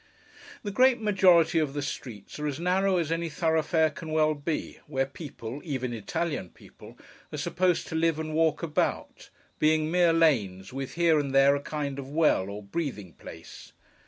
The great majority of the streets are as narrow as any thoroughfare can well be, where people (even Italian people) are supposed to live and walk about; being mere lanes, with here and there a kind of well, or breathing place.